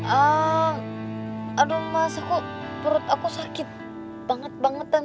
eee aduh mas aku perut aku sakit banget bangetan mas